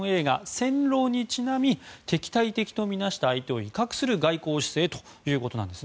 「戦狼」にちなみ敵対的と見なした相手を威嚇する外交姿勢ということなんですね。